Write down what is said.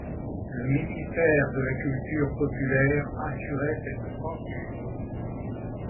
Le ministère de la Culture populaire assurait cette censure.